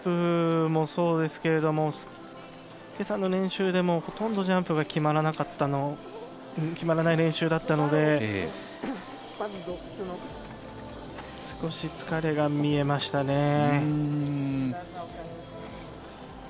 ジャンプもそうですけれども、今朝の練習でもほとんどジャンプが決まらない練習だったので、少し疲れが見えましたね。